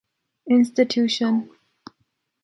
Institution